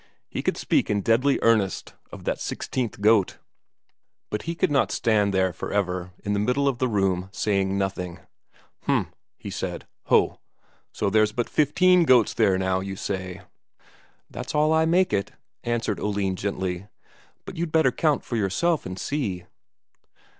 He could speak in deadly earnest of that sixteenth goat. But he could not stand there for ever, in the middle of the room, saying nothing. "H'm," he said. "Ho! So there's but fifteen goats there now, you say?" "That's all I make it," answered Oline gently. "But you'd better count for yourself and see."